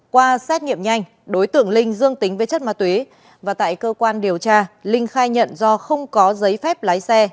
qua xét nghiệm nhanh đối tượng linh dương tính với chất ma túy và tại cơ quan điều tra linh khai nhận do không có giấy phép lái xe